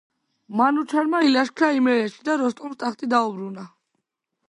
მანუჩარმა ილაშქრა იმერეთში და როსტომს ტახტი დაუბრუნა.